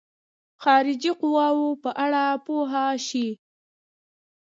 خارجي قواوو په اړه پوه شي.